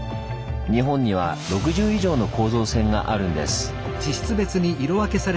日本には６０以上の構造線があるんです。